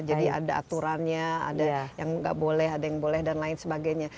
jadi ada aturannya ada yang nggak boleh ada yang boleh dan lain sebagainya